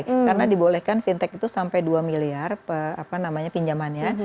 karena dibolehkan fintech itu sampai dua miliar apa namanya pinjamannya